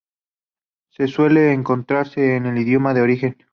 Solo puede encontrarse en el idioma de origen.